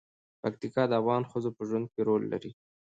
پکتیکا د افغان ښځو په ژوند کې رول لري.